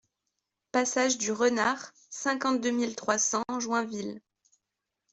Passage du Renard, cinquante-deux mille trois cents Joinville